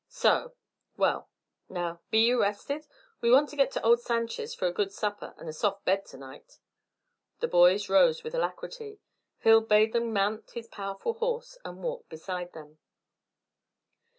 "So. Well. Now, be ye rested? We want to git to old Sanchez' fur a good supper and a soft bed to night." The boys rose with alacrity. Hill bade them mount his powerful horse, and walked beside them.